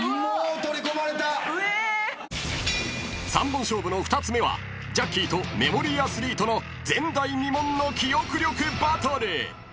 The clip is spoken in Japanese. ［３本勝負の２つ目はジャッキーとメモリーアスリートの前代未聞の記憶力バトル！］